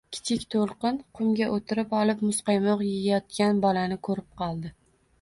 Kichik to‘lqin qumga o‘tirib olib muzqaymoq yeyayotgan bolani ko‘rib qoldi